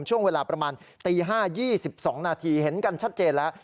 ช่วงเวลาประมาณตี๕๒๒นาทีเห็นกันชัดเจนแล้ว